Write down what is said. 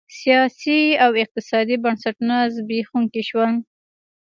سیاسي او اقتصادي بنسټونه زبېښونکي شول.